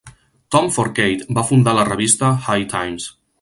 Tom Forcade va fundar la revista "High Times".